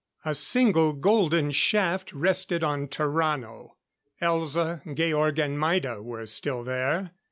A single golden shaft rested on Tarrano. Elza, Georg and Maida were still there.